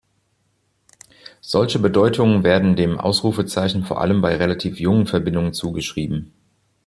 Solche Bedeutungen werden dem Ausrufezeichen vor allem bei relativ jungen Verbindungen zugeschrieben.